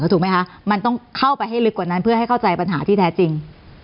ถูกไหมคะมันต้องเข้าไปให้ลึกกว่านั้นเพื่อให้เข้าใจปัญหาที่แท้จริง